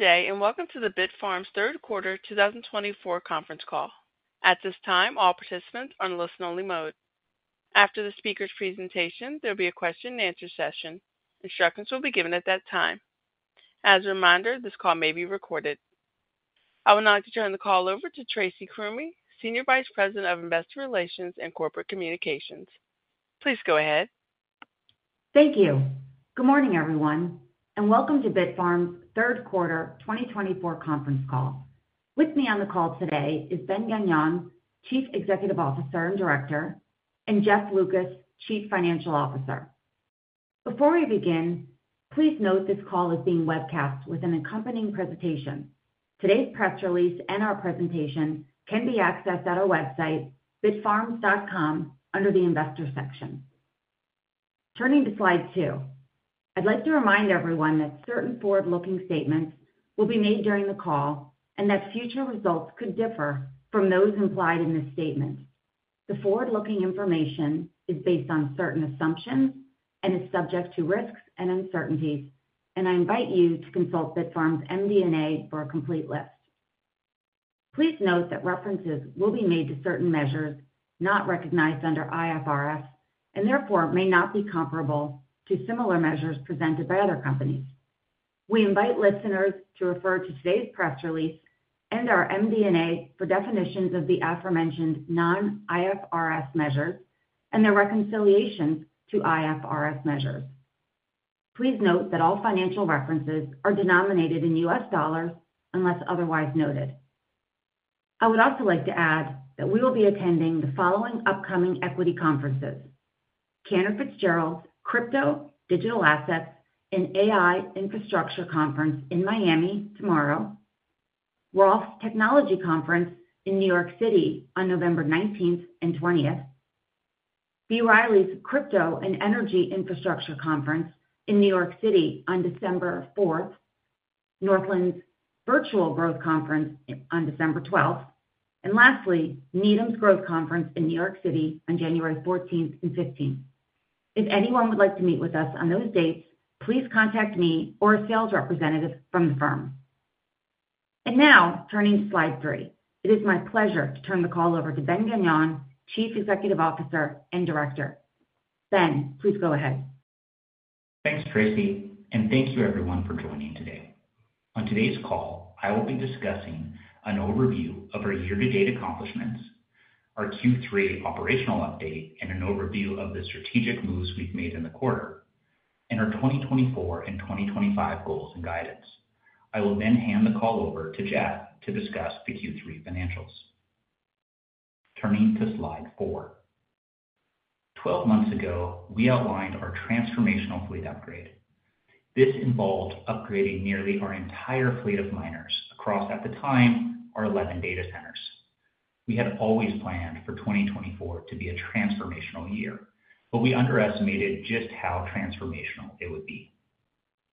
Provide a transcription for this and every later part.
Good day, and welcome to the Bitfarms third quarter 2024 conference call. At this time, all participants are in listen-only mode. After the speaker's presentation, there will be a question-and-answer session. Instructions will be given at that time. As a reminder, this call may be recorded. I would now like to turn the call over to Tracy Krumme, Senior Vice President of Investor Relations and Corporate Communications. Please go ahead. Thank you. Good morning, everyone, and welcome to Bitfarms' third quarter 2024 conference call. With me on the call today is Ben Gagnon, Chief Executive Officer and Director, and Jeff Lucas, Chief Financial Officer. Before we begin, please note this call is being webcast with an accompanying presentation. Today's press release and our presentation can be accessed at our website, bitfarms.com, under the Investor section. Turning to slide two, I'd like to remind everyone that certain forward-looking statements will be made during the call and that future results could differ from those implied in this statement. The forward-looking information is based on certain assumptions and is subject to risks and uncertainties, and I invite you to consult Bitfarms' MD&A for a complete list. Please note that references will be made to certain measures not recognized under IFRS and therefore may not be comparable to similar measures presented by other companies. We invite listeners to refer to today's press release and our MD&A for definitions of the aforementioned non-IFRS measures and their reconciliations to IFRS measures. Please note that all financial references are denominated in U.S. dollars unless otherwise noted. I would also like to add that we will be attending the following upcoming equity conferences: Cantor Fitzgerald's Crypto Digital Assets and AI Infrastructure Conference in Miami tomorrow, Roth MKM's Technology Conference in New York City on November 19th and 20th, B. Riley Securities' Crypto and Energy Infrastructure Conference in New York City on December 4th, Northland Capital Markets' Virtual Growth Conference on December 12th, and lastly, Needham & Company's Growth Conference in New York City on January 14th and 15th. If anyone would like to meet with us on those dates, please contact me or a sales representative from the firm. Now, turning to slide three, it is my pleasure to turn the call over to Ben Gagnon, Chief Executive Officer and Director. Ben, please go ahead. Thanks, Tracy, and thank you, everyone, for joining today. On today's call, I will be discussing an overview of our year-to-date accomplishments, our Q3 operational update, and an overview of the strategic moves we've made in the quarter, and our 2024 and 2025 goals and guidance. I will then hand the call over to Jeff to discuss the Q3 financials. Turning to slide four. 12 months ago, we outlined our transformational fleet upgrade. This involved upgrading nearly our entire fleet of miners across, at the time, our 11 data centers. We had always planned for 2024 to be a transformational year, but we underestimated just how transformational it would be.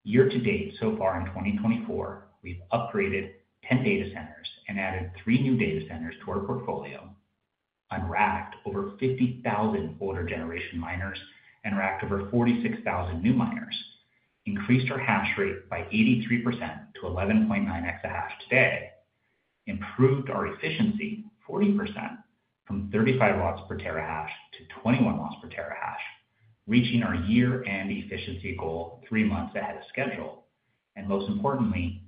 Year to date, so far in 2024, we've upgraded 10 data centers and added three new data centers to our portfolio, unracked over 50,000 older generation miners, and racked over 46,000 new miners, increased our hash rate by 83% to 11.9 exahash today, improved our efficiency 40% from 35 watts per terahash to 21 watts per terahash, reaching our year-end efficiency goal three months ahead of schedule, and most importantly,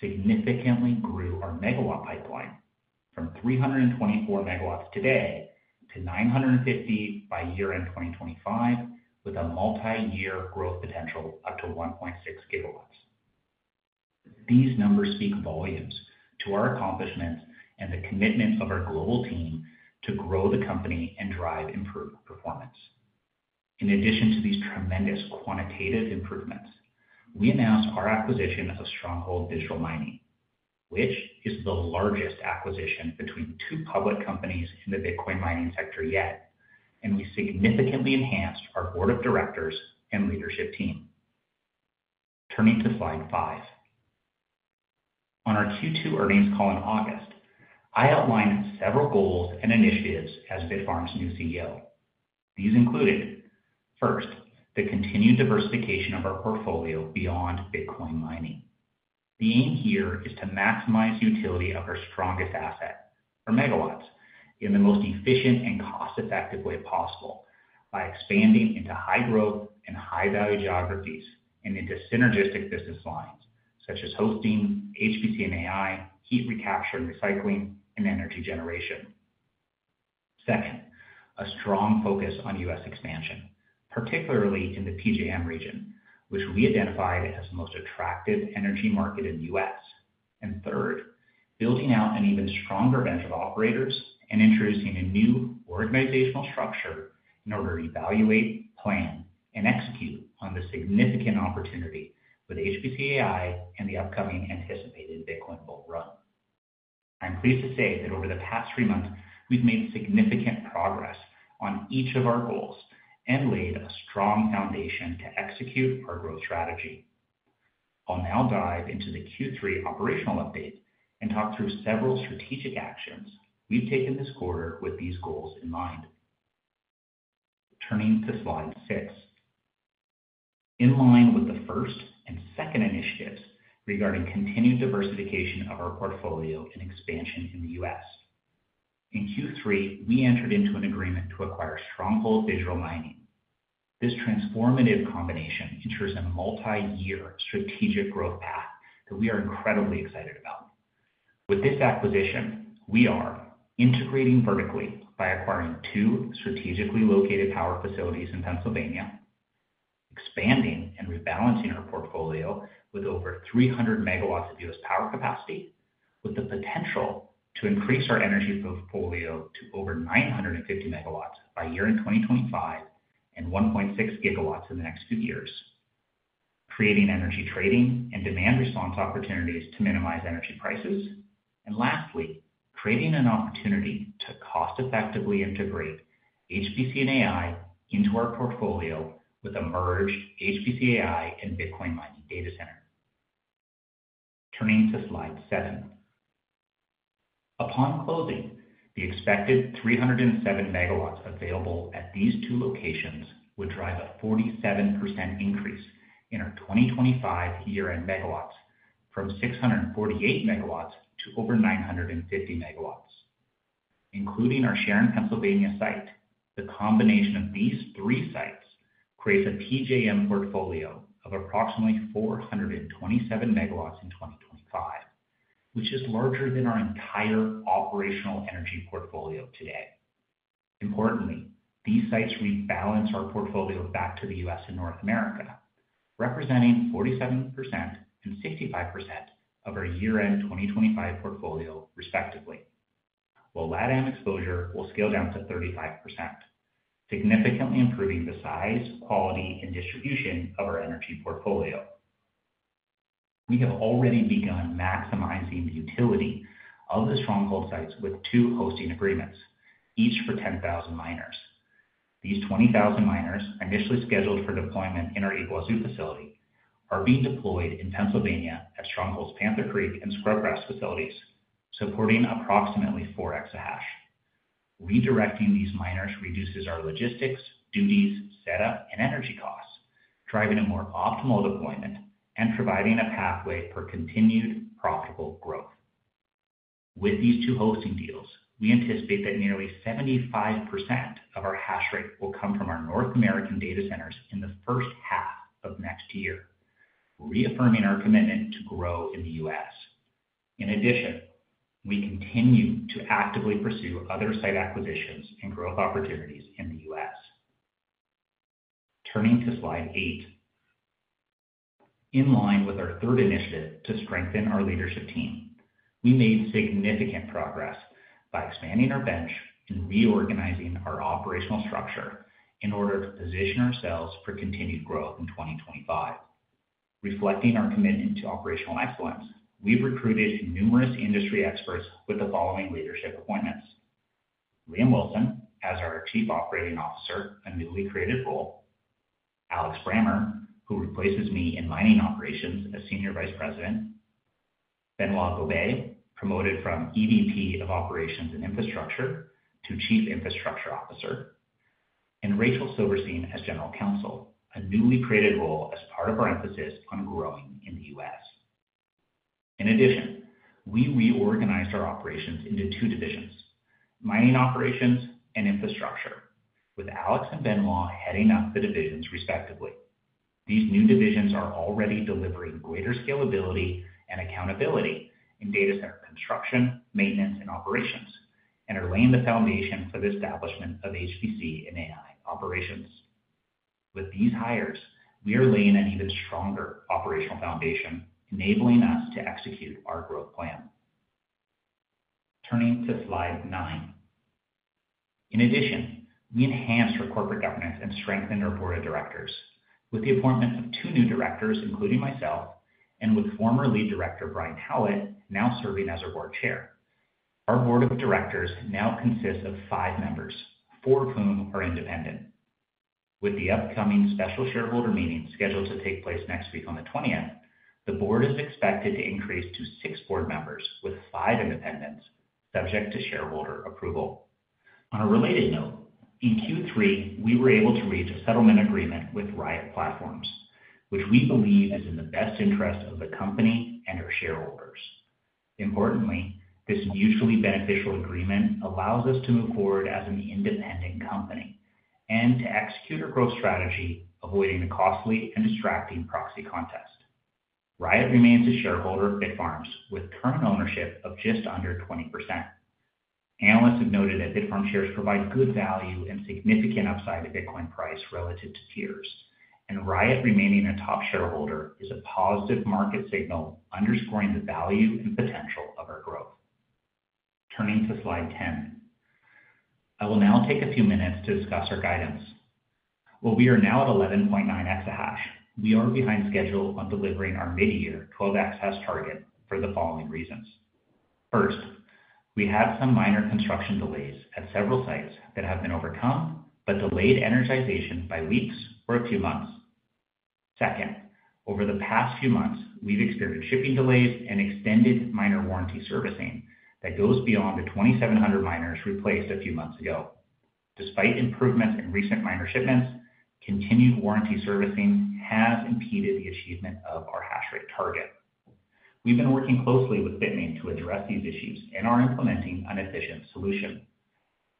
significantly grew our megawatt pipeline from 324 MW today to 950 by year-end 2025, with a multi-year growth potential up to 1.6 GW. These numbers speak volumes to our accomplishments and the commitment of our global team to grow the company and drive improved performance. In addition to these tremendous quantitative improvements, we announced our acquisition of Stronghold Digital Mining, which is the largest acquisition between two public companies in the Bitcoin mining sector yet, and we significantly enhanced our board of directors and leadership team. Turning to slide five. On our Q2 earnings call in August, I outlined several goals and initiatives as Bitfarms' new CEO. These included, first, the continued diversification of our portfolio beyond Bitcoin mining. The aim here is to maximize utility of our strongest asset, our megawatts, in the most efficient and cost-effective way possible by expanding into high-growth and high-value geographies and into synergistic business lines such as hosting, HPC and AI, heat recapture and recycling, and energy generation. Second, a strong focus on U.S. expansion, particularly in the PJM region, which we identified as the most attractive energy market in the U.S. And third, building out an even stronger bench of operators and introducing a new organizational structure in order to evaluate, plan, and execute on the significant opportunity with HPC AI and the upcoming anticipated Bitcoin bull run. I'm pleased to say that over the past three months, we've made significant progress on each of our goals and laid a strong foundation to execute our growth strategy. I'll now dive into the Q3 operational update and talk through several strategic actions we've taken this quarter with these goals in mind. Turning to slide six. In line with the first and second initiatives regarding continued diversification of our portfolio and expansion in the U.S., in Q3, we entered into an agreement to acquire Stronghold Digital Mining. This transformative combination ensures a multi-year strategic growth path that we are incredibly excited about. With this acquisition, we are integrating vertically by acquiring two strategically located power facilities in Pennsylvania, expanding and rebalancing our portfolio with over 300 MW of U.S. power capacity, with the potential to increase our energy portfolio to over 950 MW by year-end 2025 and 1.6 GW in the next few years, creating energy trading and demand response opportunities to minimize energy prices, and lastly, creating an opportunity to cost-effectively integrate HPC and AI into our portfolio with a merged HPC AI and Bitcoin mining data center. Turning to slide seven. Upon closing, the expected 307 MW available at these two locations would drive a 47% increase in our 2025 year-end megawatts from 648 MW to over 950 MW. Including our Sharon, Pennsylvania site, the combination of these three sites creates a PJM portfolio of approximately 427 MW in 2025, which is larger than our entire operational energy portfolio today. Importantly, these sites rebalance our portfolio back to the U.S. and North America, representing 47% and 65% of our year-end 2025 portfolio, respectively, while LATAM exposure will scale down to 35%, significantly improving the size, quality, and distribution of our energy portfolio. We have already begun maximizing the utility of the Stronghold sites with two hosting agreements, each for 10,000 miners. These 20,000 miners, initially scheduled for deployment in our Yguazu facility, are being deployed in Pennsylvania at Stronghold's Panther Creek and Scrubgrass facilities, supporting approximately 4 exahash. Redirecting these miners reduces our logistics, duties, setup, and energy costs, driving a more optimal deployment and providing a pathway for continued profitable growth. With these two hosting deals, we anticipate that nearly 75% of our hash rate will come from our North American data centers in the first half of next year, reaffirming our commitment to grow in the U.S. In addition, we continue to actively pursue other site acquisitions and growth opportunities in the U.S. Turning to slide eight. In line with our third initiative to strengthen our leadership team, we made significant progress by expanding our bench and reorganizing our operational structure in order to position ourselves for continued growth in 2025. Reflecting our commitment to operational excellence, we've recruited numerous industry experts with the following leadership appointments: Liam Wilson as our Chief Operating Officer, a newly created role; Alex Brammer, who replaces me in mining operations as Senior Vice President; Benoit Gobeil, promoted from EVP of Operations and Infrastructure to Chief Infrastructure Officer; and Rachel Silverstein as General Counsel, a newly created role as part of our emphasis on growing in the U.S. In addition, we reorganized our operations into two divisions: mining operations and infrastructure, with Alex and Benoit heading up the divisions respectively. These new divisions are already delivering greater scalability and accountability in data center construction, maintenance, and operations, and are laying the foundation for the establishment of HPC and AI operations. With these hires, we are laying an even stronger operational foundation, enabling us to execute our growth plan. Turning to slide nine. In addition, we enhanced our corporate governance and strengthened our board of directors with the appointment of two new directors, including myself, and with former lead director Brian Howlett now serving as our board chair. Our board of directors now consists of five members, four of whom are independent. With the upcoming special shareholder meeting scheduled to take place next week on the 20th, the board is expected to increase to six board members with five independents subject to shareholder approval. On a related note, in Q3, we were able to reach a settlement agreement with Riot Platforms, which we believe is in the best interest of the company and our shareholders. Importantly, this mutually beneficial agreement allows us to move forward as an independent company and to execute our growth strategy, avoiding the costly and distracting proxy contest. Riot remains a shareholder of Bitfarms with current ownership of just under 20%. Analysts have noted that Bitfarms shares provide good value and significant upside to Bitcoin price relative to peers, and Riot remaining a top shareholder is a positive market signal underscoring the value and potential of our growth. Turning to slide 10, I will now take a few minutes to discuss our guidance. While we are now at 11.9 exahash, we are behind schedule on delivering our mid-year 12 exahash target for the following reasons. First, we have some minor construction delays at several sites that have been overcome but delayed energization by weeks or a few months. Second, over the past few months, we've experienced shipping delays and extended minor warranty servicing that goes beyond the 2,700 miners replaced a few months ago. Despite improvements in recent miner shipments, continued warranty servicing has impeded the achievement of our hash rate target. We've been working closely with Bitmain to address these issues and are implementing an efficient solution.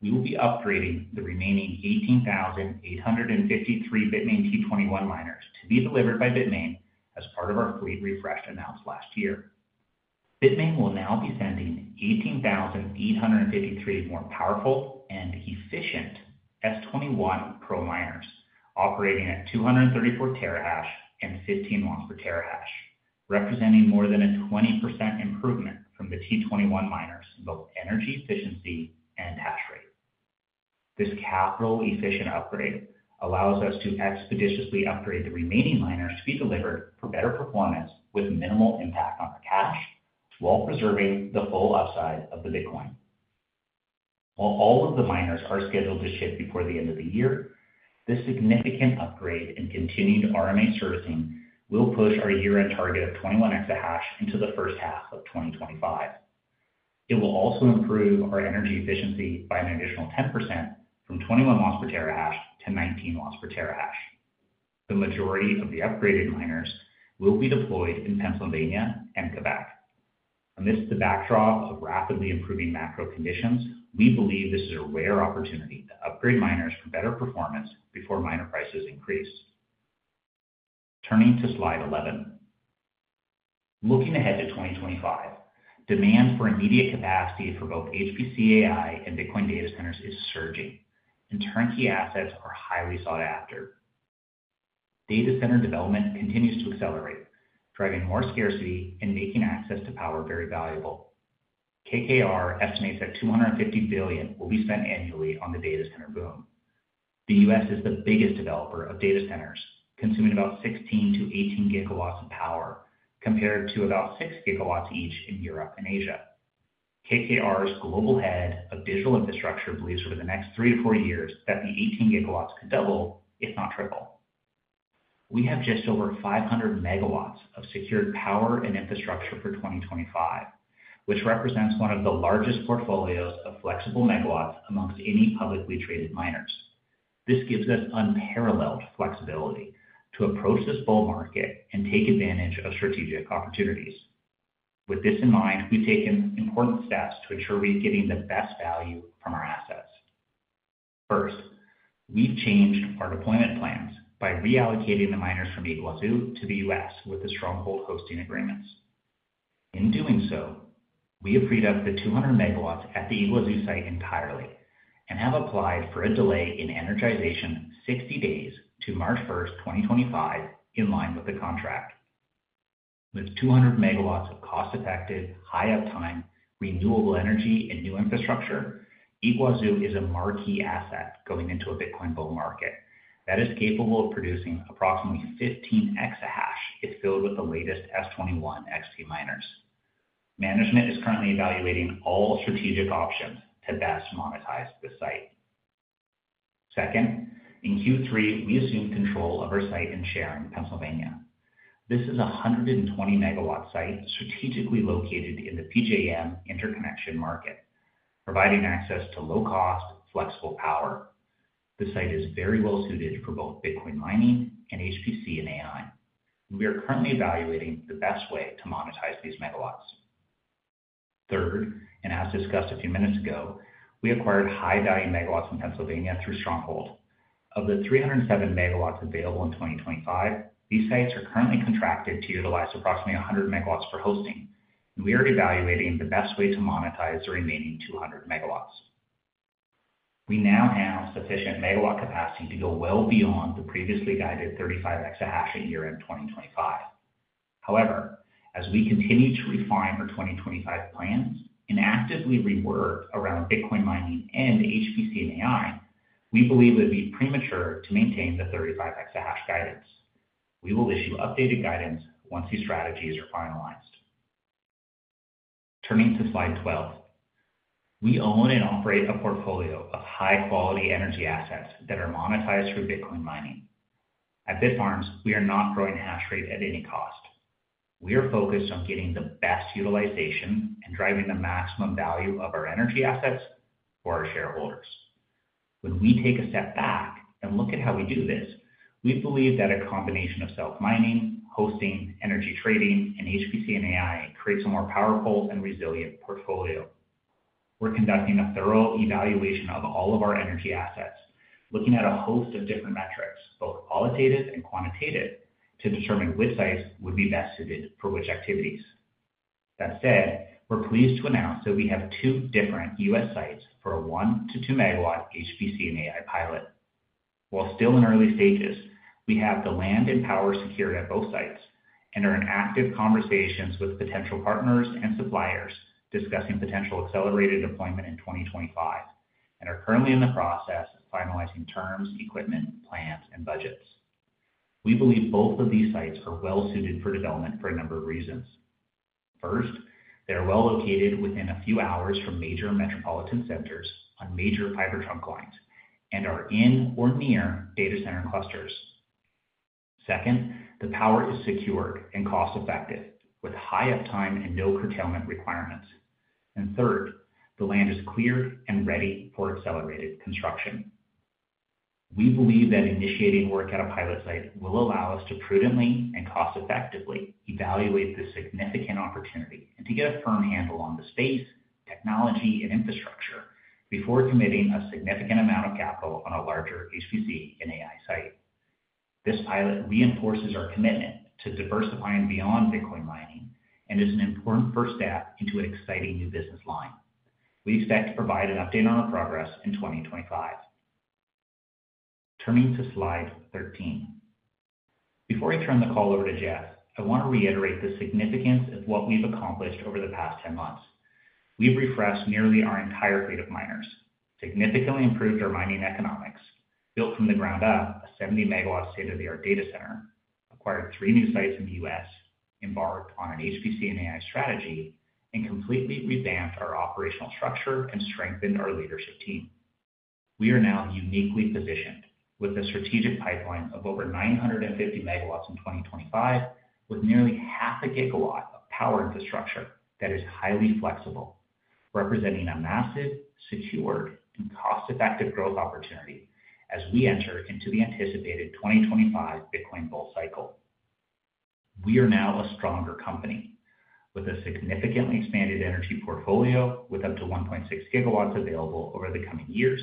We will be upgrading the remaining 18,853 Bitmain T21 miners to be delivered by Bitmain as part of our fleet refresh announced last year. Bitmain will now be sending 18,853 more powerful and efficient S21 Pro miners operating at 234 terahash and 15 watts per terahash, representing more than a 20% improvement from the T21 miners in both energy efficiency and hash rate. This capital-efficient upgrade allows us to expeditiously upgrade the remaining miners to be delivered for better performance with minimal impact on our cash while preserving the full upside of the Bitcoin. While all of the miners are scheduled to ship before the end of the year, this significant upgrade and continued RMA servicing will push our year-end target of 21 exahash into the first half of 2025. It will also improve our energy efficiency by an additional 10% from 21 watts per terahash to 19 watts per terahash. The majority of the upgraded miners will be deployed in Pennsylvania and Quebec. Amidst the backdrop of rapidly improving macro conditions, we believe this is a rare opportunity to upgrade miners for better performance before miner prices increase. Turning to slide 11. Looking ahead to 2025, demand for immediate capacity for both HPC AI and Bitcoin data centers is surging, and turnkey assets are highly sought after. Data center development continues to accelerate, driving more scarcity and making access to power very valuable. KKR estimates that $250 billion will be spent annually on the data center boom. The U.S. is the biggest developer of data centers, consuming about 16-18 GW of power compared to about 6 GW each in Europe and Asia. KKR's global head of digital infrastructure believes over the next three to four years that the 18 GW could double, if not triple. We have just over 500 MW of secured power and infrastructure for 2025, which represents one of the largest portfolios of flexible megawatts among any publicly traded miners. This gives us unparalleled flexibility to approach this bull market and take advantage of strategic opportunities. With this in mind, we've taken important steps to ensure we're getting the best value from our assets. First, we've changed our deployment plans by reallocating the miners from Yguazu to the U.S. with the Stronghold hosting agreements. In doing so, we have freed up the 200 MW at the Yguazu site entirely and have applied for a delay in energization of 60 days to March 1st, 2025, in line with the contract. With 200 MW of cost-effective, high-uptime, renewable energy, and new infrastructure, Yguazu is a marquee asset going into a Bitcoin bull market that is capable of producing approximately 15 exahash if filled with the latest S21 XP miners. Management is currently evaluating all strategic options to best monetize the site. Second, in Q3, we assumed control of our site in Sharon, Pennsylvania. This is a 120 MW site strategically located in the PJM Interconnection market, providing access to low-cost, flexible power. The site is very well suited for both Bitcoin mining and HPC and AI, and we are currently evaluating the best way to monetize these megawatts. Third, and as discussed a few minutes ago, we acquired high-value megawatts in Pennsylvania through Stronghold. Of the 307 MW available in 2025, these sites are currently contracted to utilize approximately 100 MW for hosting, and we are evaluating the best way to monetize the remaining 200 MW. We now have sufficient megawatt capacity to go well beyond the previously guided 35 exahash in year-end 2025. However, as we continue to refine our 2025 plans and actively rework around Bitcoin mining and HPC and AI, we believe it would be premature to maintain the 35 exahash guidance. We will issue updated guidance once these strategies are finalized. Turning to slide 12, we own and operate a portfolio of high-quality energy assets that are monetized through Bitcoin mining. At Bitfarms, we are not growing hash rate at any cost. We are focused on getting the best utilization and driving the maximum value of our energy assets for our shareholders. When we take a step back and look at how we do this, we believe that a combination of self-mining, hosting, energy trading, and HPC and AI creates a more powerful and resilient portfolio. We're conducting a thorough evaluation of all of our energy assets, looking at a host of different metrics, both qualitative and quantitative, to determine which sites would be best suited for which activities. That said, we're pleased to announce that we have two different U.S. sites for a 1-2 MW HPC and AI pilot. While still in early stages, we have the land and power secured at both sites and are in active conversations with potential partners and suppliers discussing potential accelerated deployment in 2025 and are currently in the process of finalizing terms, equipment, plans, and budgets. We believe both of these sites are well suited for development for a number of reasons. First, they are well located within a few hours from major metropolitan centers on major fiber trunk lines and are in or near data center clusters. Second, the power is secured and cost-effective with high uptime and no curtailment requirements. Third, the land is cleared and ready for accelerated construction. We believe that initiating work at a pilot site will allow us to prudently and cost-effectively evaluate the significant opportunity and to get a firm handle on the space, technology, and infrastructure before committing a significant amount of capital on a larger HPC and AI site. This pilot reinforces our commitment to diversifying beyond Bitcoin mining and is an important first step into an exciting new business line. We expect to provide an update on our progress in 2025. Turning to slide 13. Before I turn the call over to Jeff, I want to reiterate the significance of what we've accomplished over the past 10 months. We've refreshed nearly our entire fleet of miners, significantly improved our mining economics, built from the ground up a 70 MW state-of-the-art data center, acquired three new sites in the U.S., embarked on an HPC and AI strategy, and completely revamped our operational structure and strengthened our leadership team. We are now uniquely positioned with a strategic pipeline of over 950 MW in 2025, with nearly 0.5 GW of power infrastructure that is highly flexible, representing a massive, secured, and cost-effective growth opportunity as we enter into the anticipated 2025 Bitcoin bull cycle. We are now a stronger company with a significantly expanded energy portfolio with up to 1.6 GW available over the coming years,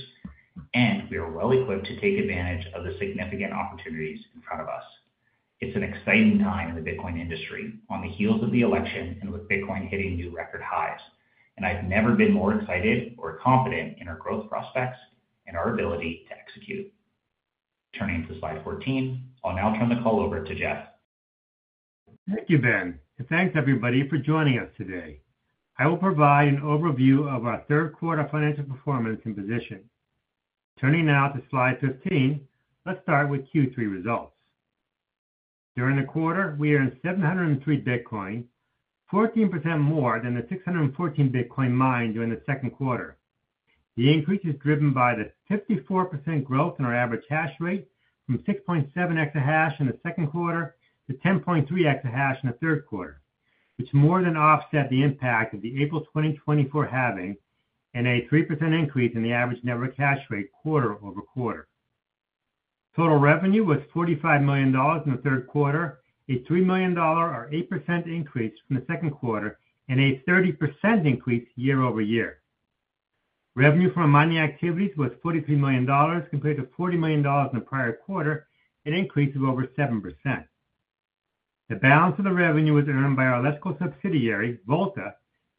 and we are well equipped to take advantage of the significant opportunities in front of us. It's an exciting time in the Bitcoin industry on the heels of the election and with Bitcoin hitting new record highs, and I've never been more excited or confident in our growth prospects and our ability to execute. Turning to slide 14, I'll now turn the call over to Jeff. Thank you, Ben, and thanks, everybody, for joining us today. I will provide an overview of our third quarter financial performance and position. Turning now to slide 15, let's start with Q3 results. During the quarter, we earned 703 Bitcoin, 14% more than the 614 Bitcoin mined during the second quarter. The increase is driven by the 54% growth in our average hash rate from 6.7 exahash in the second quarter to 10.3 exahash in the third quarter, which more than offsets the impact of the April 2024 halving and a 3% increase in the average network hash rate quarter-over-quarter. Total revenue was $45 million in the third quarter, a $3 million, or 8% increase from the second quarter, and a 30% increase year over year. Revenue from mining activities was $43 million, compared to $40 million in the prior quarter, an increase of over 7%. The balance of the revenue was earned by our electrical subsidiary, Volta,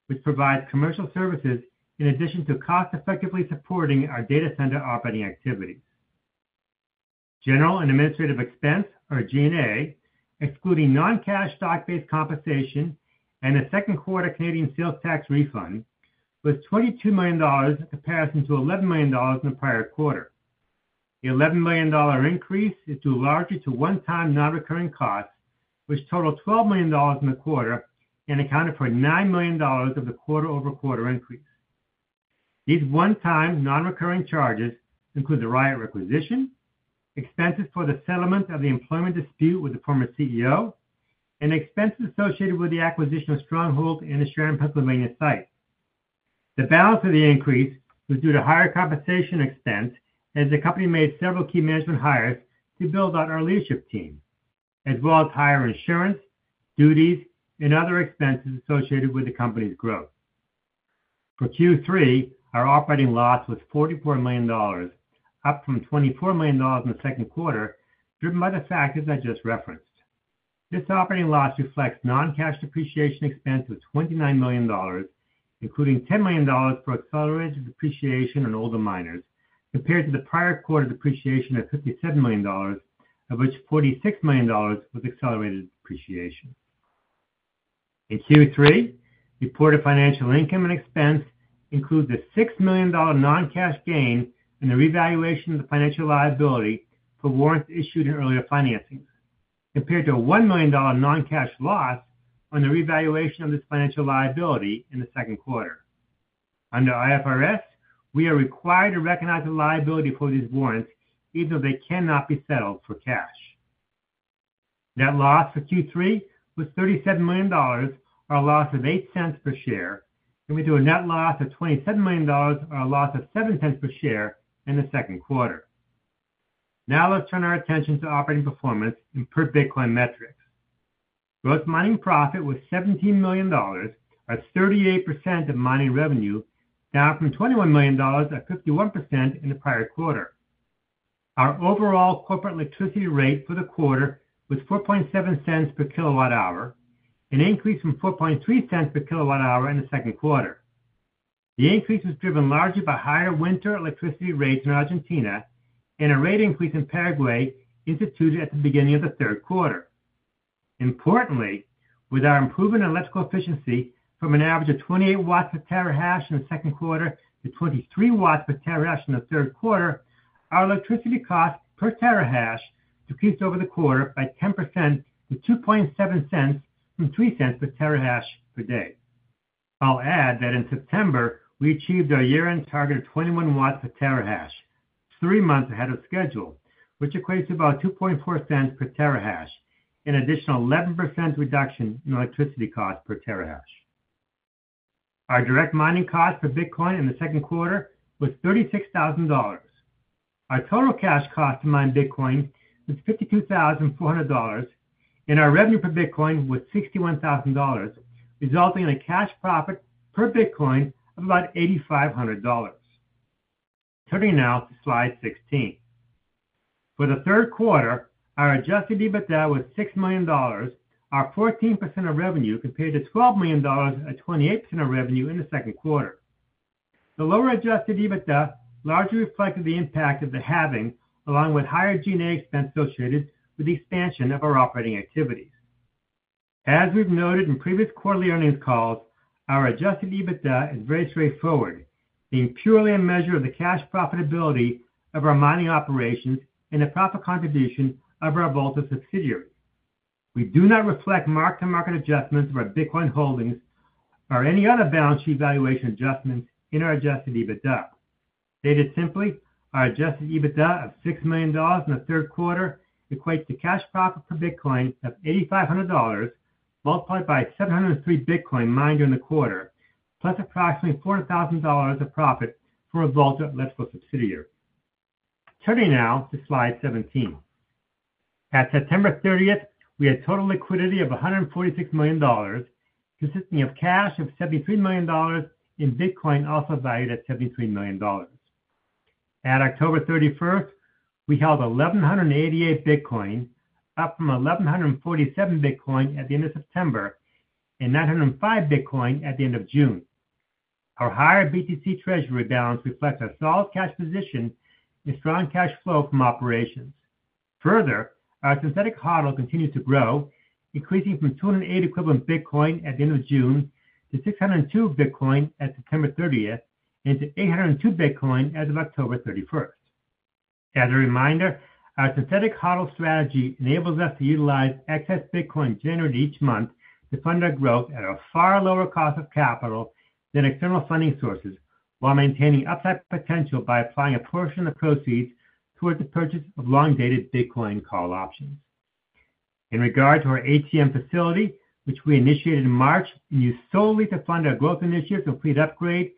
which provides commercial services in addition to cost-effectively supporting our data center operating activities. General and administrative expense, or G&A, excluding non-cash stock-based compensation and the second quarter Canadian sales tax refund, was $22 million, up from $11 million in the prior quarter. The $11 million increase is due largely to one-time non-recurring costs, which totaled $12 million in the quarter and accounted for $9 million of the quarter-over-quarter increase. These one-time non-recurring charges include the Riot requisition, expenses for the settlement of the employment dispute with the former CEO, and expenses associated with the acquisition of Stronghold and the Sharon, Pennsylvania site. The balance of the increase was due to higher compensation expense as the company made several key management hires to build out our leadership team, as well as higher insurance, duties, and other expenses associated with the company's growth. For Q3, our operating loss was $44 million, up from $24 million in the second quarter, driven by the factors I just referenced. This operating loss reflects non-cash depreciation expense of $29 million, including $10 million for accelerated depreciation on older miners, compared to the prior quarter depreciation of $57 million, of which $46 million was accelerated depreciation. In Q3, reported financial income and expense include the $6 million non-cash gain and the revaluation of the financial liability for warrants issued in earlier financings, compared to a $1 million non-cash loss on the revaluation of this financial liability in the second quarter. Under IFRS, we are required to recognize the liability for these warrants, even though they cannot be settled for cash. Net loss for Q3 was $37 million, or a loss of $0.08 per share, and we had a net loss of $27 million, or a loss of $0.07 per share in the second quarter. Now let's turn our attention to operating performance and per Bitcoin metrics. Gross mining profit was $17 million, or 38% of mining revenue, down from $21 million, or 51% in the prior quarter. Our overall corporate electricity rate for the quarter was $0.047 per kWh an increase from $0.043 per kWh in the second quarter. The increase was driven largely by higher winter electricity rates in Argentina and a rate increase in Paraguay instituted at the beginning of the third quarter. Importantly, with our improvement in electrical efficiency from an average of 28 watts per terahash in the second quarter to 23 watts per terahash in the third quarter, our electricity cost per terahash decreased over the quarter by 10% to $0.027 from $0.03 per terahash per day. I'll add that in September, we achieved our year-end target of 21 watts per terahash, three months ahead of schedule, which equates to about $0.024 per terahash, an additional 11% reduction in electricity cost per terahash. Our direct mining cost for Bitcoin in the second quarter was $36,000. Our total cash cost to mine Bitcoin was $52,400, and our revenue per Bitcoin was $61,000, resulting in a cash profit per Bitcoin of about $8,500. Turning now to slide 16. For the third quarter, our adjusted EBITDA was $6 million, or 14% of revenue, compared to $12 million at 28% of revenue in the second quarter. The lower adjusted EBITDA largely reflected the impact of the halving, along with higher G&A expense associated with the expansion of our operating activities. As we've noted in previous quarterly earnings calls, our adjusted EBITDA is very straightforward, being purely a measure of the cash profitability of our mining operations and the profit contribution of our Volta subsidiary. We do not reflect mark to market adjustments of our Bitcoin holdings or any other balance sheet valuation adjustments in our adjusted EBITDA. Stated simply, our adjusted EBITDA of $6 million in the third quarter equates to cash profit per Bitcoin of $8,500 multiplied by 703 Bitcoin mined during the quarter, plus approximately $4,000 of profit for a Volta electrical subsidiary. Turning now to slide 17. At September 30, we had total liquidity of $146 million, consisting of cash of $73 million in Bitcoin also valued at $73 million. At October 31, we held 1,188 Bitcoin, up from 1,147 Bitcoin at the end of September and 905 Bitcoin at the end of June. Our higher BTC treasury balance reflects a solid cash position and strong cash flow from operations. Further, our synthetic HODL continues to grow, increasing from 208 equivalent Bitcoin at the end of June to 602 Bitcoin at September 30 and to 802 Bitcoin as of October 31. As a reminder, our synthetic HODL strategy enables us to utilize excess Bitcoin generated each month to fund our growth at a far lower cost of capital than external funding sources while maintaining upside potential by applying a portion of the proceeds towards the purchase of long-dated Bitcoin call options. In regard to our ATM facility, which we initiated in March and used solely to fund our growth initiatives and fleet upgrade,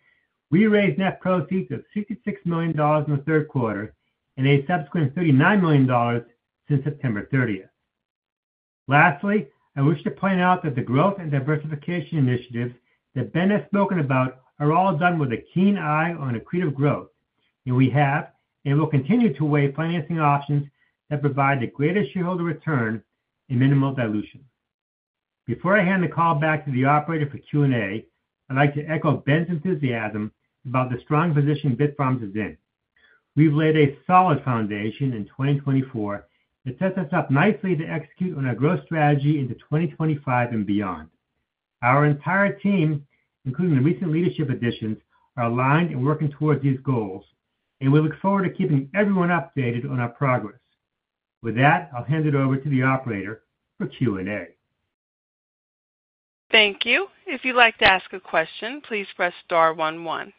we raised net proceeds of $66 million in the third quarter and a subsequent $39 million since September 30. Lastly, I wish to point out that the growth and diversification initiatives that Ben has spoken about are all done with a keen eye on accretive growth, and we have and will continue to weigh financing options that provide the greatest shareholder return and minimal dilution. Before I hand the call back to the operator for Q&A, I'd like to echo Ben's enthusiasm about the strong position Bitfarms is in. We've laid a solid foundation in 2024 that sets us up nicely to execute on our growth strategy into 2025 and beyond. Our entire team, including the recent leadership additions, are aligned and working towards these goals, and we look forward to keeping everyone updated on our progress. With that, I'll hand it over to the operator for Q&A. Thank you. If you'd like to ask a question, please press star one one.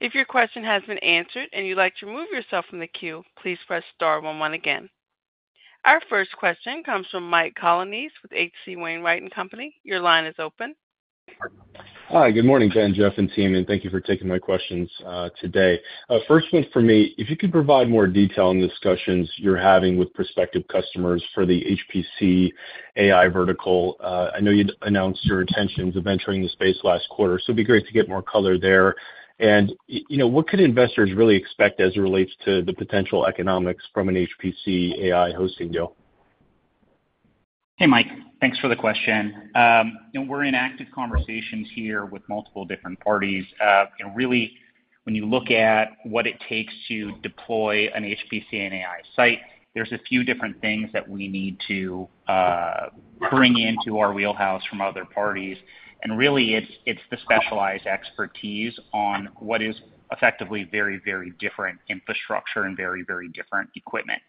If your question has been answered and you'd like to remove yourself from the queue, please press star one one again. Our first question comes from Mike Colonnese with H.C. Wainwright & Co. Your line is open. Hi, good morning, Ben, Jeff, and team, and thank you for taking my questions today. First one for me, if you could provide more detail on the discussions you're having with prospective customers for the HPC AI vertical. I know you'd announced your intentions of entering the space last quarter, so it'd be great to get more color there. What could investors really expect as it relates to the potential economics from an HPC AI hosting deal? Hey, Mike, thanks for the question. We're in active conversations here with multiple different parties. Really, when you look at what it takes to deploy an HPC and AI site, there's a few different things that we need to bring into our wheelhouse from other parties. And really, it's the specialized expertise on what is effectively very, very different infrastructure and very, very different equipment.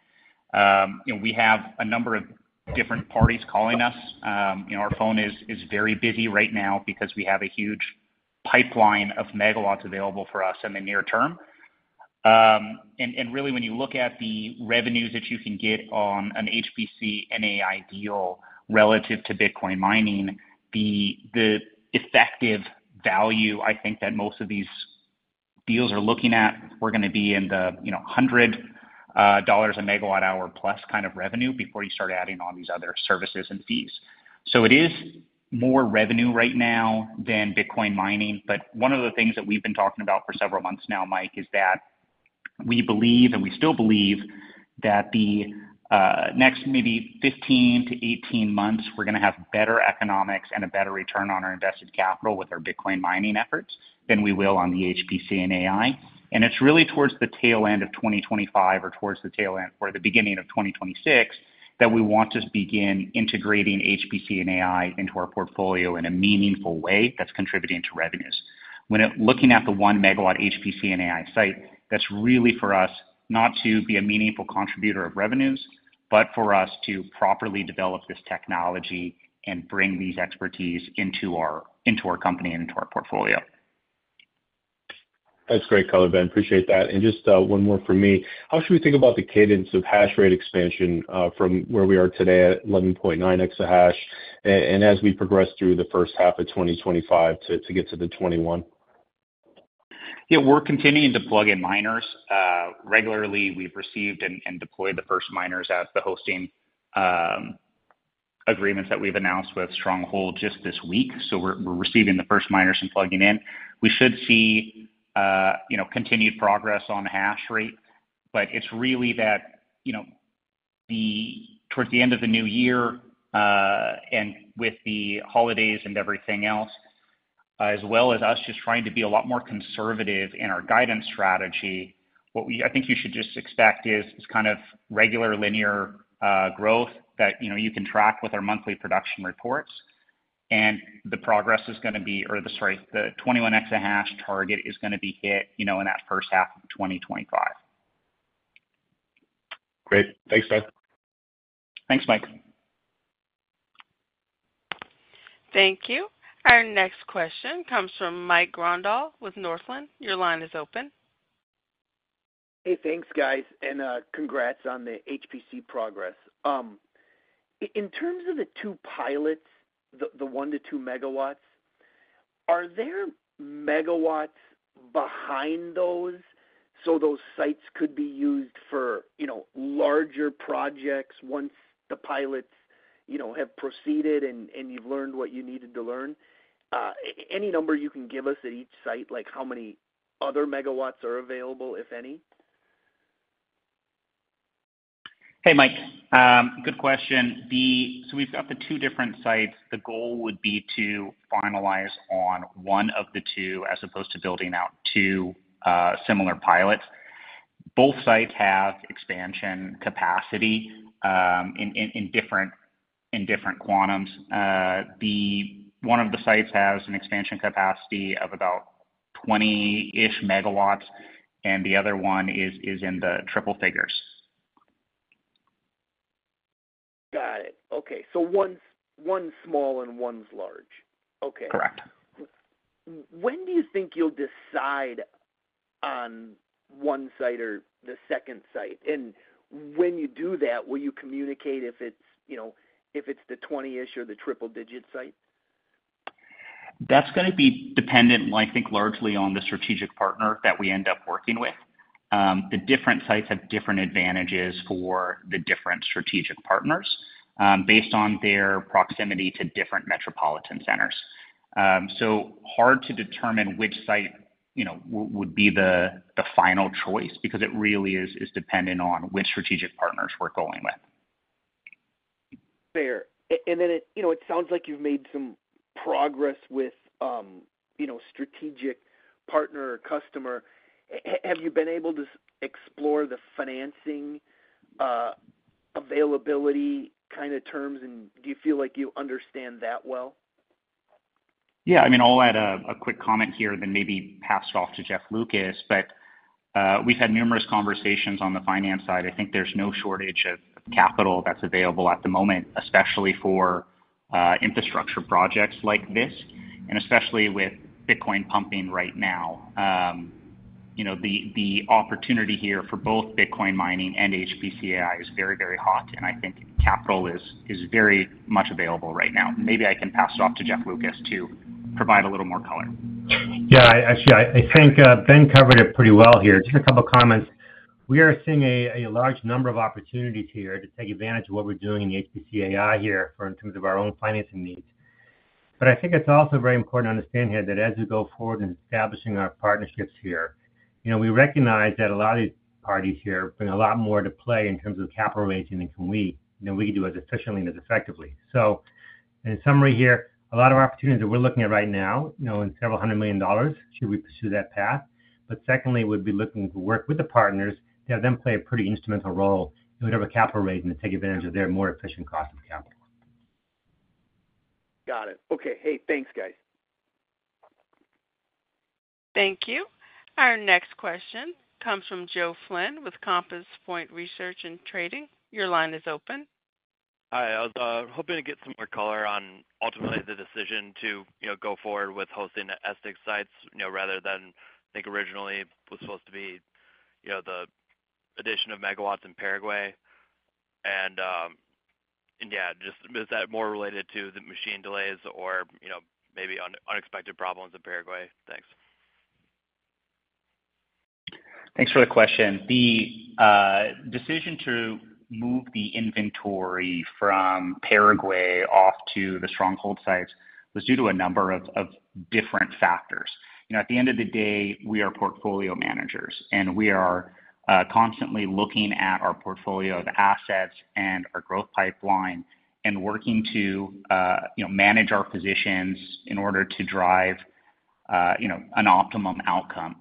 We have a number of different parties calling us. Our phone is very busy right now because we have a huge pipeline of megawatts available for us in the near term. And really, when you look at the revenues that you can get on an HPC and AI deal relative to Bitcoin mining, the effective value I think that most of these deals are looking at, we're going to be in the $100 a MWh plus kind of revenue before you start adding on these other services and fees. So it is more revenue right now than Bitcoin mining. But one of the things that we've been talking about for several months now, Mike, is that we believe, and we still believe, that the next maybe 15 to 18 months, we're going to have better economics and a better return on our invested capital with our Bitcoin mining efforts than we will on the HPC and AI. And it's really towards the tail end of 2025 or towards the tail end or the beginning of 2026 that we want to begin integrating HPC and AI into our portfolio in a meaningful way that's contributing to revenues. When looking at the 1 MW HPC and AI site, that's really for us not to be a meaningful contributor of revenues, but for us to properly develop this technology and bring these expertise into our company and into our portfolio. That's great color, Ben. Appreciate that. And just one more for me. How should we think about the cadence of hash rate expansion from where we are today at 11.9 exahash and as we progress through the first half of 2025 to get to the 21? Yeah, we're continuing to plug in miners. Regularly, we've received and deployed the first miners as the hosting agreements that we've announced with Stronghold just this week. So we're receiving the first miners and plugging in. We should see continued progress on the hash rate. But it's really that towards the end of the new year and with the holidays and everything else, as well as us just trying to be a lot more conservative in our guidance strategy, what I think you should just expect is kind of regular linear growth that you can track with our monthly production reports. And the progress is going to be, or the, sorry, the S21 hash target is going to be hit in that first half of 2025. Great. Thanks, Ben. Thanks, Mike. Thank you. Our next question comes from Mike Grondahl with Northland. Your line is open. Hey, thanks, guys. And congrats on the HPC progress. In terms of the two pilots, the 1-2 MW, are there megawatts behind those so those sites could be used for larger projects once the pilots have proceeded and you've learned what you needed to learn? Any number you can give us at each site, like how many other megawatts are available, if any? Hey, Mike. Good question. So we've got the two different sites. The goal would be to finalize on one of the two as opposed to building out two similar pilots. Both sites have expansion capacity in different quantums. One of the sites has an expansion capacity of about 20-ish MW, and the other one is in the triple figures. Got it. Okay. So one's small and one's large. Okay. Correct. When do you think you'll decide on one site or the second site? And when you do that, will you communicate if it's the 20-ish or the triple-digit site? That's going to be dependent, I think, largely on the strategic partner that we end up working with. The different sites have different advantages for the different strategic partners based on their proximity to different metropolitan centers. So hard to determine which site would be the final choice because it really is dependent on which strategic partners we're going with. Fair. And then it sounds like you've made some progress with strategic partner or customer. Have you been able to explore the financing availability kind of terms, and do you feel like you understand that well? Yeah. I mean, I'll add a quick comment here and then maybe pass it off to Jeff Lucas. But we've had numerous conversations on the finance side. I think there's no shortage of capital that's available at the moment, especially for infrastructure projects like this, and especially with Bitcoin pumping right now. The opportunity here for both Bitcoin mining and HPC AI is very, very hot, and I think capital is very much available right now. Maybe I can pass it off to Jeff Lucas to provide a little more color. Yeah. Actually, I think Ben covered it pretty well here. Just a couple of comments. We are seeing a large number of opportunities here to take advantage of what we're doing in the HPC AI here for in terms of our own financing needs. But I think it's also very important to understand here that as we go forward in establishing our partnerships here, we recognize that a lot of these parties here bring a lot more to play in terms of capital raising than we can do as efficiently and as effectively. So in summary here, a lot of opportunities that we're looking at right now and several hundred million dollars, should we pursue that path? But secondly, we'd be looking to work with the partners that then play a pretty instrumental role in whatever capital raising to take advantage of their more efficient cost of capital. Got it. Okay. Hey, thanks, guys. Thank you. Our next question comes from Joe Flynn with Compass Point Research & Trading. Your line is open. Hi. I was hoping to get some more color on ultimately the decision to go forward with hosting the SDIG sites rather than I think originally was supposed to be the addition of megawatts in Paraguay. Yeah, is that more related to the machine delays or maybe unexpected problems in Paraguay? Thanks. Thanks for the question. The decision to move the inventory from Paraguay off to the Stronghold sites was due to a number of different factors. At the end of the day, we are portfolio managers, and we are constantly looking at our portfolio of assets and our growth pipeline and working to manage our positions in order to drive an optimum outcome.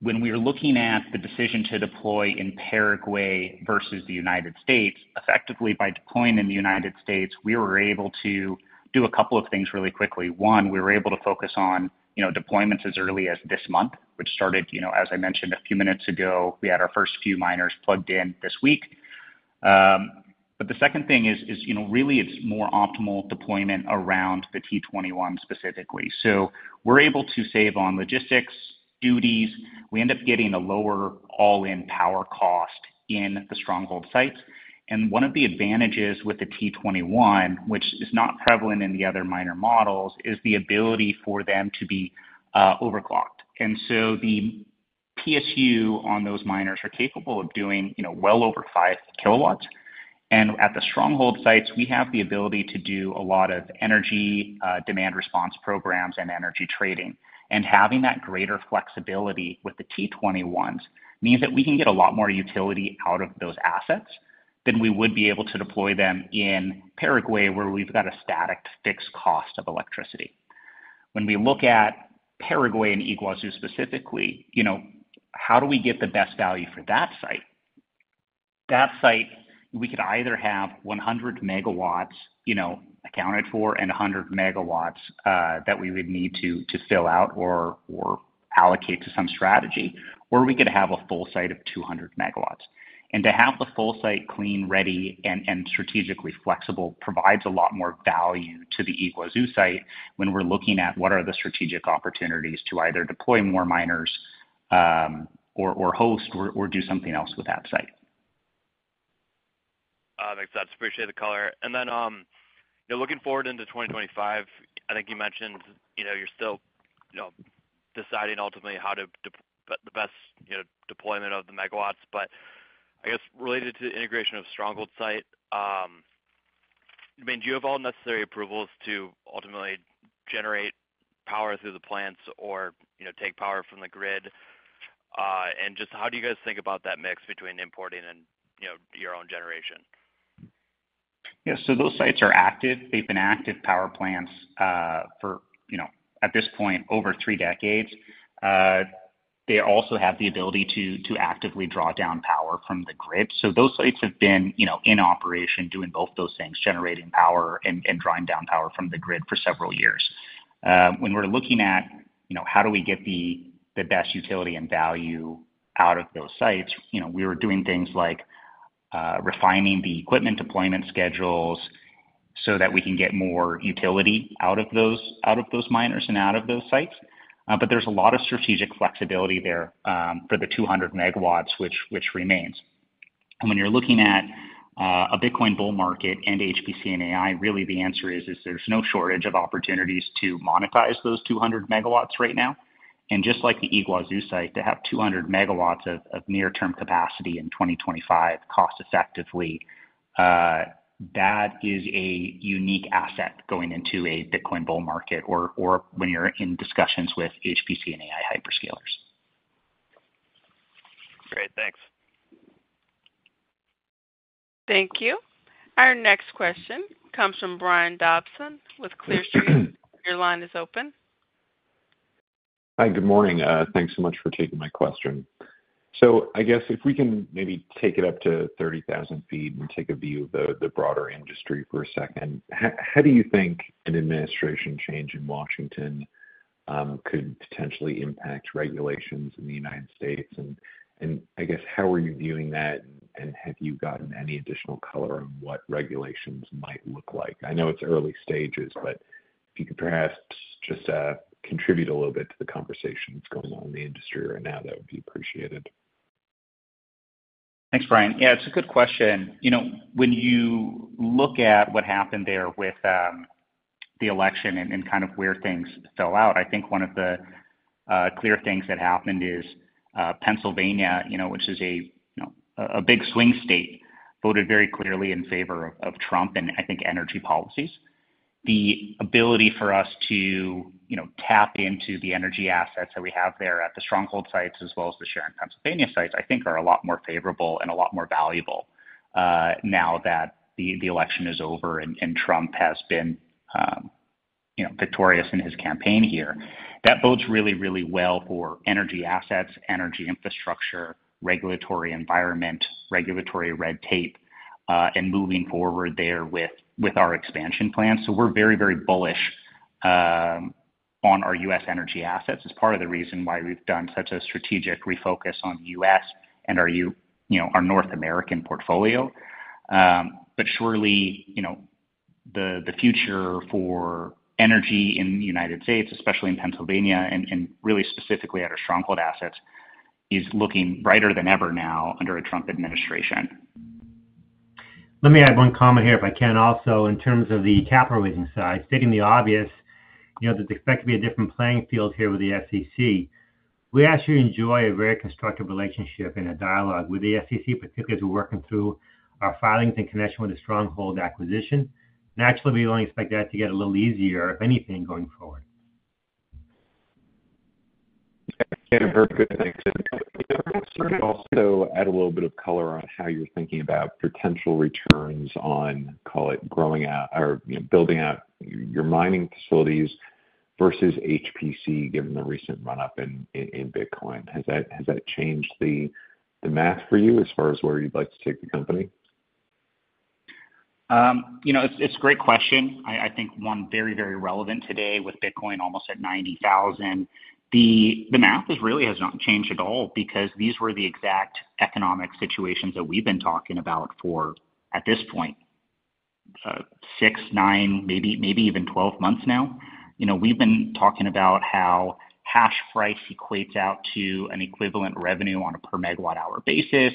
When we were looking at the decision to deploy in Paraguay versus the United States, effectively by deploying in the United States, we were able to do a couple of things really quickly. One, we were able to focus on deployments as early as this month, which started, as I mentioned a few minutes ago. We had our first few miners plugged in this week. But the second thing is really it's more optimal deployment around the T21 specifically. So we're able to save on logistics, duties. We end up getting a lower all-in power cost in the Stronghold sites. And one of the advantages with the T21, which is not prevalent in the other miner models, is the ability for them to be overclocked. And so the PSU on those miners are capable of doing well over five kilowatts. And at the Stronghold sites, we have the ability to do a lot of energy demand response programs and energy trading. Having that greater flexibility with the T21s means that we can get a lot more utility out of those assets than we would be able to deploy them in Paraguay where we've got a static fixed cost of electricity. When we look at Paraguay and Yguazu specifically, how do we get the best value for that site? That site, we could either have 100 MW accounted for and 100 MW that we would need to fill out or allocate to some strategy, or we could have a full site of 200 MW. To have the full site clean, ready, and strategically flexible provides a lot more value to the Yguazu site when we're looking at what are the strategic opportunities to either deploy more miners or host or do something else with that site. Thanks, Ben. Appreciate the color. And then looking forward into 2025, I think you mentioned you're still deciding ultimately how to. But the best deployment of the megawatts. But I guess related to the integration of Stronghold site, I mean, do you have all necessary approvals to ultimately generate power through the plants or take power from the grid? And just how do you guys think about that mix between importing and your own generation? Yeah. So those sites are active. They've been active power plants for, at this point, over three decades. They also have the ability to actively draw down power from the grid. So those sites have been in operation doing both those things, generating power and drawing down power from the grid for several years. When we're looking at how do we get the best utility and value out of those sites, we were doing things like refining the equipment deployment schedules so that we can get more utility out of those miners and out of those sites. But there's a lot of strategic flexibility there for the 200 MW which remains. When you're looking at a Bitcoin bull market and HPC and AI, really the answer is there's no shortage of opportunities to monetize those 200 MW right now. Just like the Yguazu site, to have 200 MW of near-term capacity in 2025 cost-effectively, that is a unique asset going into a Bitcoin bull market or when you're in discussions with HPC and AI hyperscalers. Great. Thanks. Thank you. Our next question comes from Brian Dobson with Clear Street. Your line is open. Hi. Good morning. Thanks so much for taking my question. So I guess if we can maybe take it up to 30,000 feet and take a view of the broader industry for a second, how do you think an administration change in Washington could potentially impact regulations in the United States? And I guess how are you viewing that, and have you gotten any additional color on what regulations might look like? I know it's early stages, but if you could perhaps just contribute a little bit to the conversations going on in the industry right now, that would be appreciated. Thanks, Brian. Yeah, it's a good question. When you look at what happened there with the election and kind of where things fell out, I think one of the clear things that happened is Pennsylvania, which is a big swing state, voted very clearly in favor of Trump and I think energy policies. The ability for us to tap into the energy assets that we have there at the Stronghold sites as well as the Sharon, Pennsylvania sites, I think are a lot more favorable and a lot more valuable now that the election is over and Trump has been victorious in his campaign here. That bodes really, really well for energy assets, energy infrastructure, regulatory environment, regulatory red tape, and moving forward there with our expansion plan. So we're very, very bullish on our U.S. energy assets as part of the reason why we've done such a strategic refocus on the U.S. and our North American portfolio. But surely the future for energy in the United States, especially in Pennsylvania, and really specifically at our Stronghold assets, is looking brighter than ever now under a Trump administration. Let me add one comment here, if I can. Also, in terms of the capital raising side, stating the obvious, that's expected to be a different playing field here with the SEC. We actually enjoy a very constructive relationship and a dialogue with the SEC, particularly as we're working through our filings in connection with the Stronghold acquisition. Naturally, we only expect that to get a little easier, if anything, going forward. Yeah. Very good. Thanks. I'm curious also to add a little bit of color on how you're thinking about potential returns on, call it, growing out or building out your mining facilities versus HPC, given the recent run-up in Bitcoin. Has that changed the math for you as far as where you'd like to take the company? It's a great question. I think one very, very relevant today with Bitcoin almost at 90,000. The math really has not changed at all because these were the exact economic situations that we've been talking about for, at this point, six, nine, maybe even 12 months now. We've been talking about how hash price equates out to an equivalent revenue on a per megawatt-hour basis.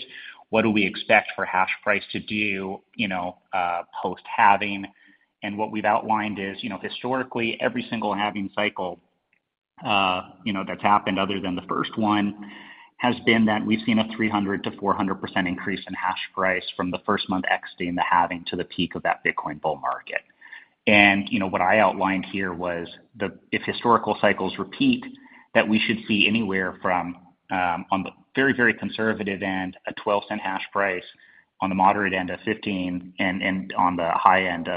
What do we expect for hash price to do post-halving? And what we've outlined is historically, every single halving cycle that's happened other than the first one has been that we've seen a 300%-400% increase in hash price from the first month exiting the halving to the peak of that Bitcoin bull market. And what I outlined here was if historical cycles repeat, that we should see anywhere from, on the very, very conservative end, a $0.12 hash price, on the moderate end, a $0.15, and on the high end,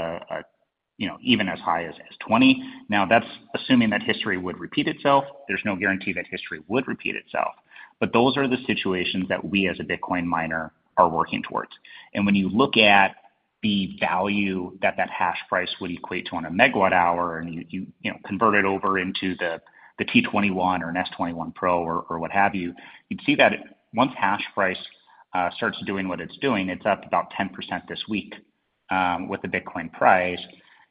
even as high as $0.20. Now, that's assuming that history would repeat itself. There's no guarantee that history would repeat itself. But those are the situations that we, as a Bitcoin miner, are working towards. And when you look at the value that that hash price would equate to on a megawatt-hour and you convert it over into the T21 or an S21 Pro or what have you, you'd see that once hash price starts doing what it's doing, it's up about 10% this week with the Bitcoin price.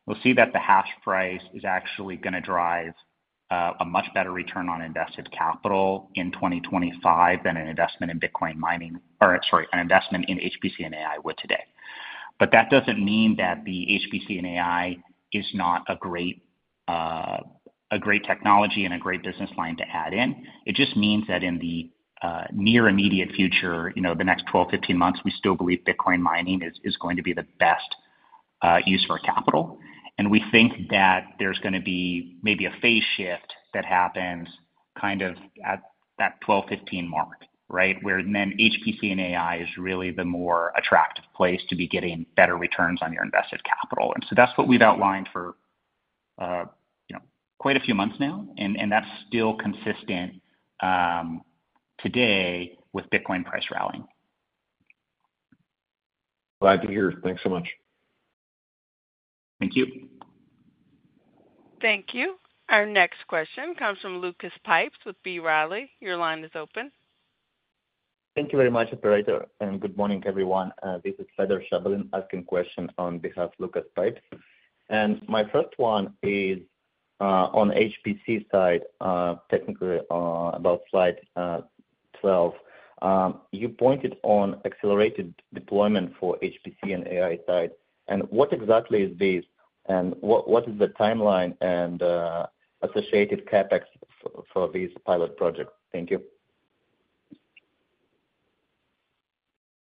We'll see that the hash price is actually going to drive a much better return on invested capital in 2025 than an investment in Bitcoin mining or, sorry, an investment in HPC and AI would today. But that doesn't mean that the HPC and AI is not a great technology and a great business line to add in. It just means that in the near immediate future, the next 12, 15 months, we still believe Bitcoin mining is going to be the best use for capital. And we think that there's going to be maybe a phase shift that happens kind of at that 12, 15 mark, right, where then HPC and AI is really the more attractive place to be getting better returns on your invested capital. And so that's what we've outlined for quite a few months now. And that's still consistent today with Bitcoin price rallying. Glad to hear. Thanks so much. Thank you. Thank you. Our next question comes from Lucas Pipes with B. Riley. Your line is open. Thank you very much, Ben. And good morning, everyone. This is Fedor Shabalin asking questions on behalf of Lucas Pipes. And my first one is on HPC side, technically about slide 12. You pointed on accelerated deployment for HPC and AI side. And what exactly is this? And what is the timeline and associated CapEx for this pilot project? Thank you.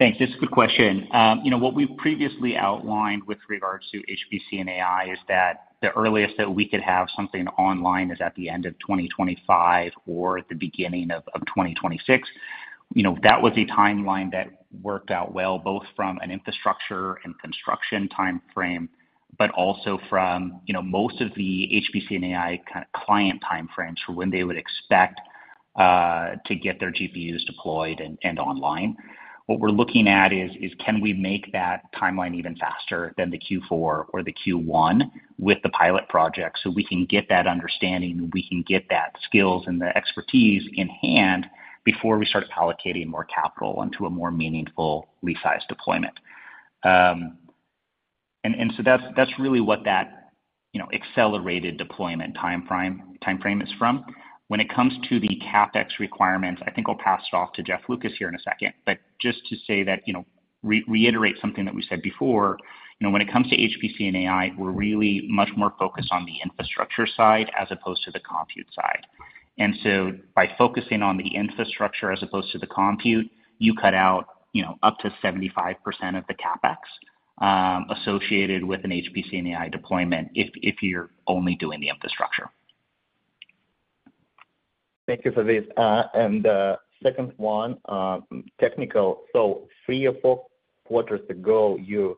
Thanks. It's a good question. What we've previously outlined with regards to HPC and AI is that the earliest that we could have something online is at the end of 2025 or at the beginning of 2026. That was a timeline that worked out well both from an infrastructure and construction timeframe, but also from most of the HPC and AI kind of client timeframes for when they would expect to get their GPUs deployed and online. What we're looking at is, can we make that timeline even faster than the Q4 or the Q1 with the pilot project so we can get that understanding and we can get that skills and the expertise in hand before we start allocating more capital onto a more meaningful resize deployment? And so that's really what that accelerated deployment timeframe is from. When it comes to the CapEx requirements, I think I'll pass it off to Jeff Lucas here in a second. But just to reiterate something that we said before, when it comes to HPC and AI, we're really much more focused on the infrastructure side as opposed to the compute side. And so by focusing on the infrastructure as opposed to the compute, you cut out up to 75% of the CapEx associated with an HPC and AI deployment if you're only doing the infrastructure. Thank you for this. And second one, technical. So three or four quarters ago, you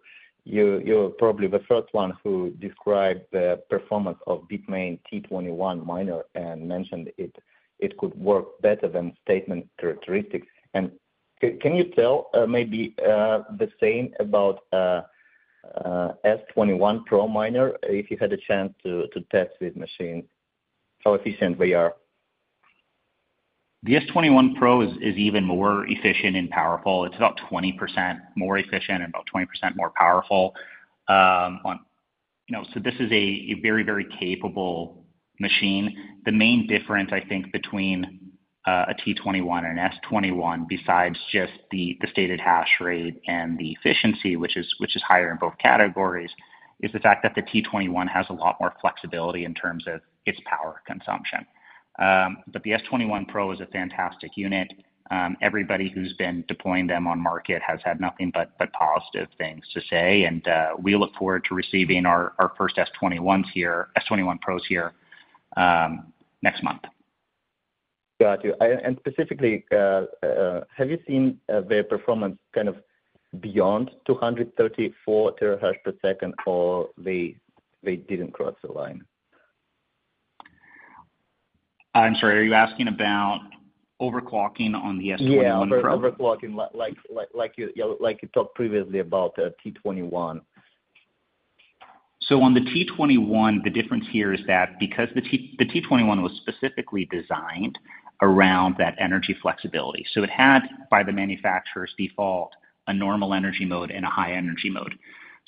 were probably the first one who described the performance of Bitmain T21 miner and mentioned it could work better than stated characteristics. And can you tell maybe the same about S21 Pro miner if you had a chance to test these machines, how efficient they are? The S21 Pro is even more efficient and powerful. It's about 20% more efficient and about 20% more powerful. So this is a very, very capable machine. The main difference, I think, between a T21 and an S21, besides just the stated hash rate and the efficiency, which is higher in both categories, is the fact that the T21 has a lot more flexibility in terms of its power consumption. But the S21 Pro is a fantastic unit. Everybody who's been deploying them on market has had nothing but positive things to say. And we look forward to receiving our first S21s here, S21 Pros here, next month. Got you. And specifically, have you seen their performance kind of beyond 234 terahash per second, or they didn't cross the line? I'm sorry. Are you asking about overclocking on the S21 Pro? Yeah, overclocking, like you talked previously about T21. So on the T21, the difference here is that because the T21 was specifically designed around that energy flexibility. So it had, by the manufacturer's default, a normal energy mode and a high energy mode.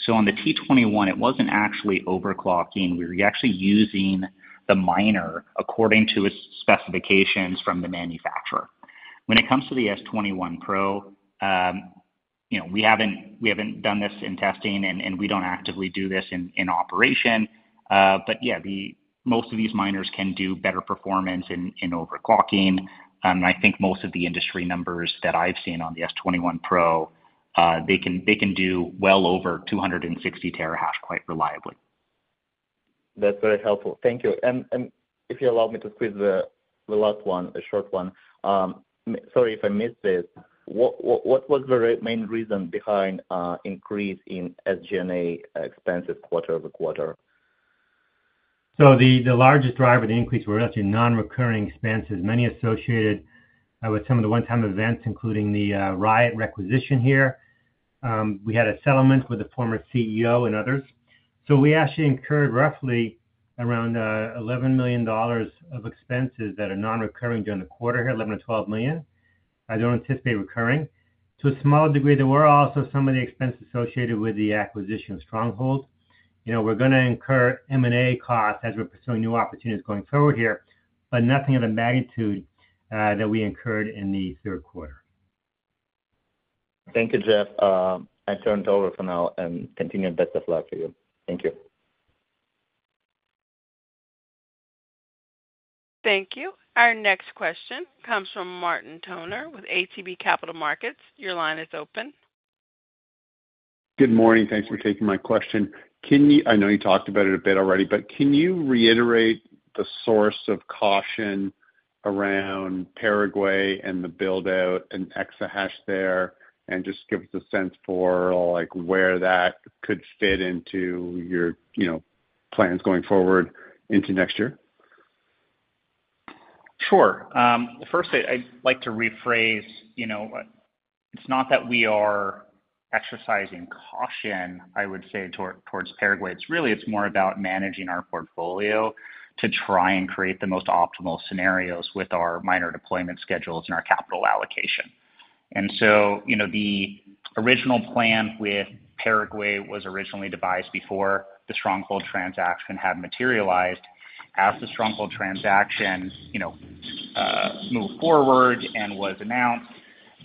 So on the T21, it wasn't actually overclocking. We were actually using the miner according to its specifications from the manufacturer. When it comes to the S21 Pro, we haven't done this in testing, and we don't actively do this in operation. But yeah, most of these miners can do better performance in overclocking. And I think most of the industry numbers that I've seen on the S21 Pro, they can do well over 260 terahash quite reliably. That's very helpful. Thank you. And if you allow me to squeeze the last one, a short one. Sorry if I missed this. What was the main reason behind increase in SG&A expenses quarter-over-quarter? So the largest driver of the increase were actually non-recurring expenses, many associated with some of the one-time events, including the Riot requisition here. We had a settlement with the former CEO and others. So we actually incurred roughly around $11 million of expenses that are non-recurring during the quarter here, $11 million-$12 million. I don't anticipate recurring. To a small degree, there were also some of the expenses associated with the acquisition of Stronghold. We're going to incur M&A costs as we're pursuing new opportunities going forward here, but nothing of the magnitude that we incurred in the third quarter. Thank you, Jeff. I turn it over for now and continue best of luck for you. Thank you. Thank you. Our next question comes from Martin Toner with ATB Capital Markets. Your line is open. Good morning. Thanks for taking my question. I know you talked about it a bit already, but can you reiterate the source of caution around Paraguay and the build-out and exahash there and just give us a sense for where that could fit into your plans going forward into next year? Sure. First, I'd like to rephrase. It's not that we are exercising caution, I would say, towards Paraguay. It's really more about managing our portfolio to try and create the most optimal scenarios with our miner deployment schedules and our capital allocation. The original plan with Paraguay was originally devised before the Stronghold transaction had materialized. As the Stronghold transaction moved forward and was announced,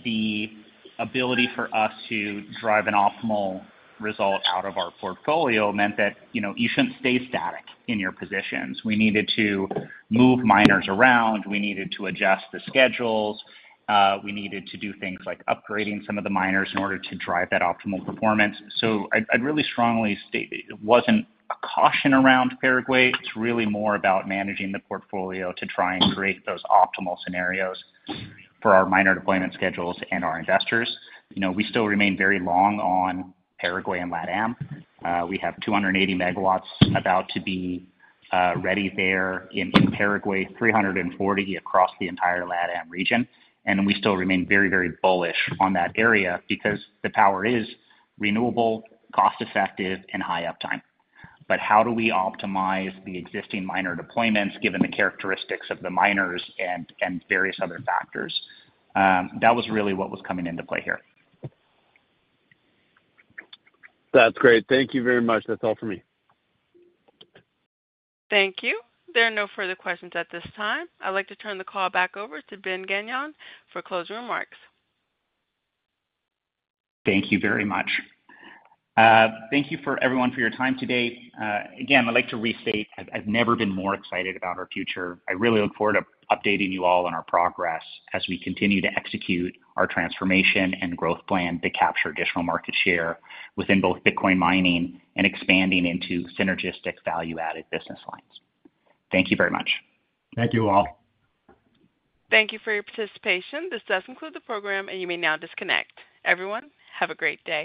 the ability for us to drive an optimal result out of our portfolio meant that you shouldn't stay static in your positions. We needed to move miners around. We needed to adjust the schedules. We needed to do things like upgrading some of the miners in order to drive that optimal performance. I'd really strongly state it wasn't a caution around Paraguay. It's really more about managing the portfolio to try and create those optimal scenarios for our miner deployment schedules and our investors. We still remain very long on Paraguay and LATAM. We have 280 MW about to be ready there in Paraguay, 340 MW across the entire LATAM region. And we still remain very, very bullish on that area because the power is renewable, cost-effective, and high uptime. But how do we optimize the existing miner deployments given the characteristics of the miners and various other factors? That was really what was coming into play here. That's great. Thank you very much. That's all for me. Thank you. There are no further questions at this time. I'd like to turn the call back over to Ben Gagnon for closing remarks. Thank you very much. Thank you for everyone for your time today. Again, I'd like to restate. I've never been more excited about our future. I really look forward to updating you all on our progress as we continue to execute our transformation and growth plan to capture additional market share within both Bitcoin mining and expanding into synergistic value-added business lines. Thank you very much. Thank you all. Thank you for your participation. This does conclude the program, and you may now disconnect. Everyone, have a great day.